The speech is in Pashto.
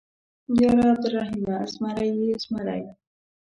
_ياره عبرالرحيمه ، زمری يې زمری.